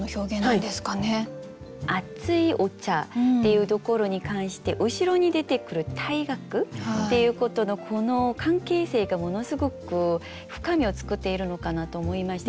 「熱いお茶」っていうところに関して後ろに出てくる「退学」っていうことのこの関係性がものすごく深みを作っているのかなと思いまして。